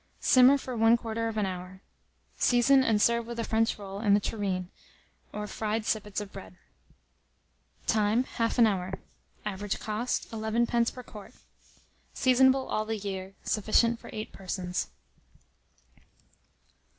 Simmer for 1/4 of an hour. Season and serve with a French roll in the tureen, or fried sippets of bread. Time. 1/2 an hour. Average cost,11d. per quart. Seasonable all the year. Sufficient for 8 persons.